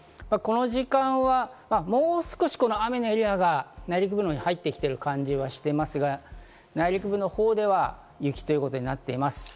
この時間はもう少し雨のエリアが内陸部に入ってきている感じはしていますが、内陸部のほうでは雪ということになっています。